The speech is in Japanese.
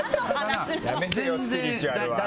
やめてよ、スピリチュアルは。